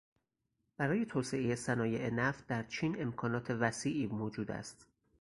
برای توسعهٔ صنایع نفت در چین امکانات وسیعی موجود است.